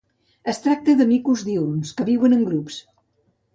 Es tracta de micos diürns que viuen en grups.